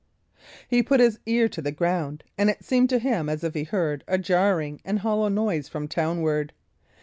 He put his ear to the ground, and it seemed to him as if he heard a jarring and hollow noise from townward.